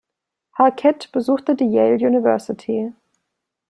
Hackett besuchte die Yale University.